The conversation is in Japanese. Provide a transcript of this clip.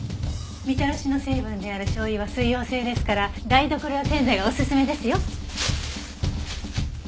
みたらしの成分である醤油は水溶性ですから台所用洗剤がおすすめですよ。